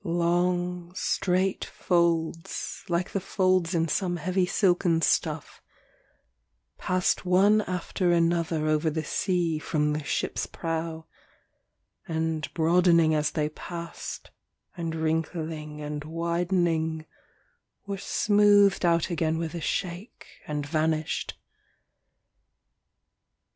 Long, straight folds, like the folds in some heavy silken stuff, passed one after another over the sea from the ship's prow, and broadening as they passed, and wrinkling and widening, were smoothed out again with a shake, and vanished.